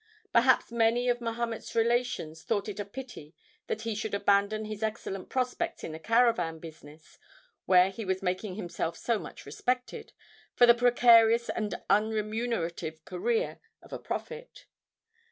Perhaps many of Mahomet's relations thought it a pity that he should abandon his excellent prospects in the caravan business (where he was making himself so much respected), for the precarious and unremunerative career of a prophet.